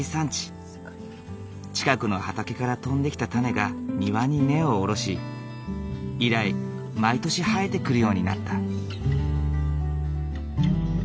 近くの畑から飛んできた種が庭に根を下ろし以来毎年生えてくるようになった。